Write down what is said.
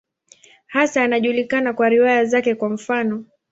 Hasa anajulikana kwa riwaya zake, kwa mfano.